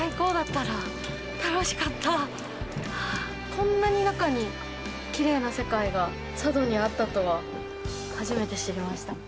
こんなに中に、きれいな世界が佐渡にあったとは、初めて知りました。